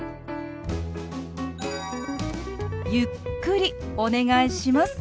ゆっくりお願いします。